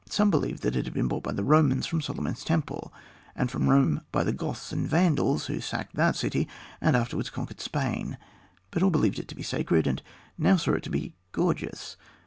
Some believed that it had been brought by the Romans from Solomon's temple, and from Rome by the Goths and Vandals who sacked that city and afterwards conquered Spain; but all believed it to be sacred, and now saw it to be gorgeous.